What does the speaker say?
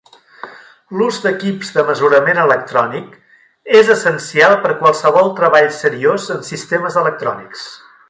L'ús d'equips de mesurament electrònic és essencial per qualsevol treball seriós en sistemes electrònics.